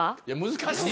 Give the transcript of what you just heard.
難しい。